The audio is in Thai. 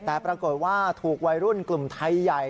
แต่ปรากฏว่าถูกวัยรุ่นกลุ่มไทยใหญ่